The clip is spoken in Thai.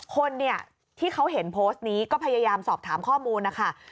คนเนี่ยที่เขาเห็นโพสต์นี้ก็พยายามสอบถามข้อมูลนะคะ